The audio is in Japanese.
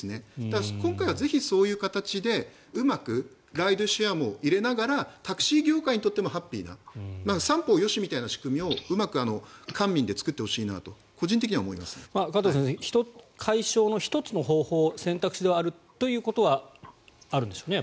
ぜひ今回はそういう形でうまくライドシェアも入れながらタクシー業界にとってもハッピーで三方よしうみたいな仕組みをうまく官民で作ってほしいなと１つの解消選択肢ではあるということはあるんでしょうね